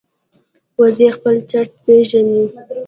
وزې خپل چرته پېژني